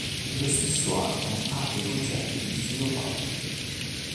Nello stesso anno apre i concerti di Gino Paoli.